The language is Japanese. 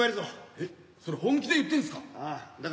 えっそれ本気で言ってんすか？